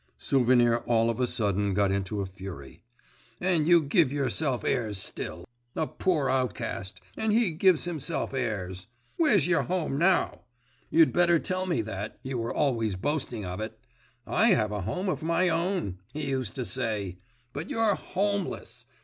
Souvenir all of a sudden got into a fury. 'And you give yourself airs still. A poor outcast, and he gives himself airs. Where's your home now? you'd better tell me that, you were always boasting of it. "I have a home of my own," he used to say, but you're homeless.